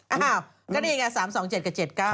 อ้าวก็นี่ไง๓๒๗กับ๗๙